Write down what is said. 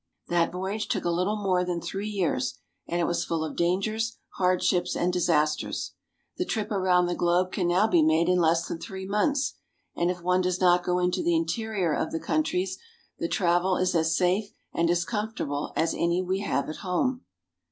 That voyage took a little more than three years, and it was full of dangers, hardships, and disasters. The trip around the globe can now be made in less than three months ; and if one does not go into the interior of the countries, the travel is as safe and as comfortable as any we have at home.